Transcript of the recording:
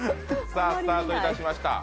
さあ、スタートいたしました。